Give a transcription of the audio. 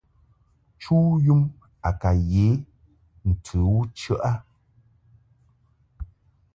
Chu yum a ka ye ntɨ u chəʼ a.